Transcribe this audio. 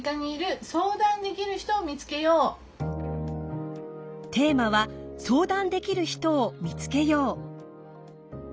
第５回テーマは「相談できる人を見つけよう」。